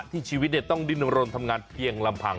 ที่ชีวิตเนี่ยต้องดินรนด์ทำงานเพียงลำผัง